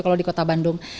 kalau di kota bandung